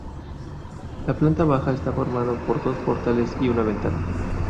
La planta baja está formada por dos portales y una ventana.